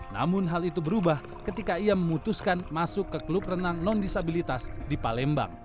namun hal itu berubah ketika ia memutuskan masuk ke klub renang non disabilitas di palembang